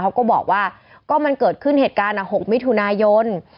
เขาก็บอกว่าก็มันเกิดขึ้นเหตุการณ์๖มิถุนายน